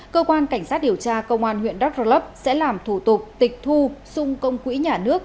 cơ quan cảnh sát điều tra công an huyện đắk rơ lấp sẽ làm thủ tục tịch thu xung công quỹ nhà nước